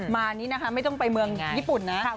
มานี่นะคะไม่ต้องไปเมืองญี่ปุ่นนะ